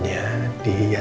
gak ada missouri